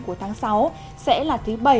của tháng sáu sẽ là thứ bảy